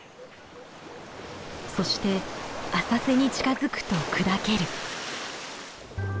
そして浅瀬に近づくと砕ける。